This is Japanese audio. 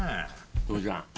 父ちゃん